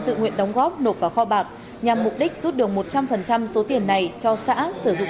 tự nguyện đóng góp nộp vào kho bạc nhằm mục đích rút được một trăm linh số tiền này cho xã sử dụng